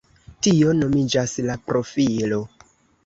Tio nomiĝas la profilo.